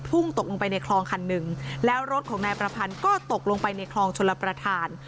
ตกลงไปในคลองคันหนึ่งแล้วรถของนายประพันธ์ก็ตกลงไปในคลองชลประธาน